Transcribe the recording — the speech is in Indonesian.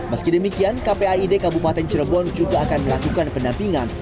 meski demikian kpaid kabupaten cirebon juga akan melakukan pendampingan